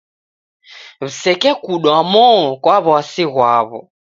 W'iseke kudwa mo kwa w'asi ghwaw'o.